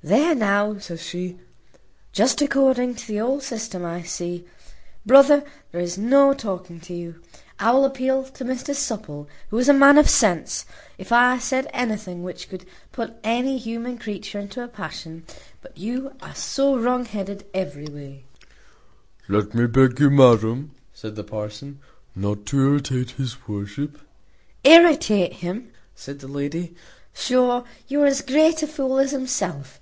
"There, now," said she, "just according to the old custom. I see, brother, there is no talking to you. I will appeal to Mr Supple, who is a man of sense, if I said anything which could put any human creature into a passion; but you are so wrongheaded every way." "Let me beg you, madam," said the parson, "not to irritate his worship." "Irritate him?" said the lady; "sure, you are as great a fool as himself.